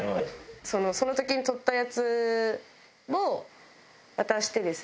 その時に撮ったやつを渡してですね。